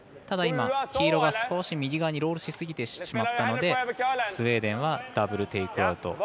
ただ、黄色が少し右側にロールしすぎてしまったのでスウェーデンはダブル・テイクアウト。